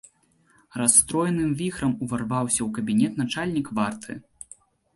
Расстроеным віхрам уварваўся ў кабінет начальнік варты.